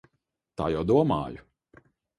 Tā jau domāju.